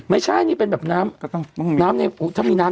ไม่ใช่นี่เป็นแบบน้ำในถ้ามีน้ำ